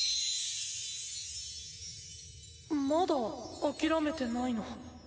まだ諦めてないの？